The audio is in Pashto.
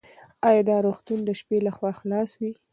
ایا دا روغتون د شپې لخوا خلاص وي؟